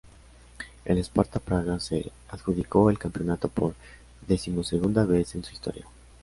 El Sparta Praga se adjudicó el campeonato por decimosegunda vez en su historia.